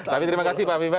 tapi terima kasih pak mimba